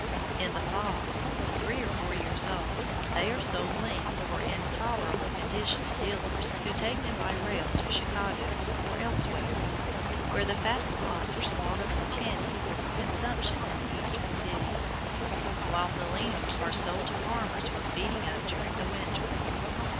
In the fall, when three or four years old, they are sold lean or in tolerable condition to dealers who take them by rail to Chicago, or elsewhere, where the fattest lots are slaughtered for tinning or for consumption in the Eastern cities, while the leaner are sold to farmers for feeding up during the winter.